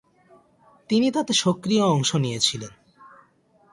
তিনি তাতে সক্রিয় অংশ নিয়েছিলেন।